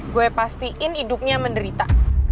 gue pastiin hidupnya menderita